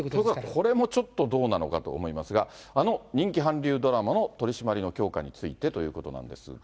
これもちょっとどうなのかと思いますが、あの人気韓流ドラマの取締りの強化についてということなんですが。